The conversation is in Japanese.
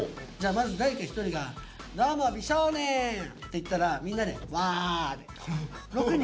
まず誰か一人が「どうも美少年」って言ったらみんなで「わぁ！」で６人。